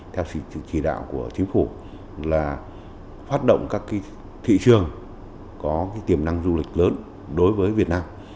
theo sự chỉ đạo của chính phủ là phát động các thị trường có tiềm năng du lịch lớn đối với việt nam